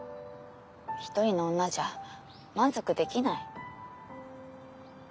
１人の女じゃ満足できない？